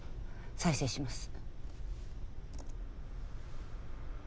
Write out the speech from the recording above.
再生します。